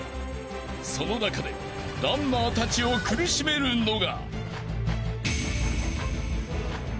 ［その中でランナーたちを苦しめるのが］